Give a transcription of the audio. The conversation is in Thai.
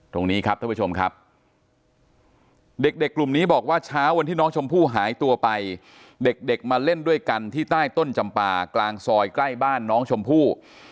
ตรงนี้ครับท่านผู้ชมครับเด็กกลุ่มนี้บอกว่าเช้าวันที่น้องชมพู่หายตัวไปเด็กมาเล่นด้วยกันที่ใต้ต้นจำปากลางซอยใกล้บ้านน้องชมพู่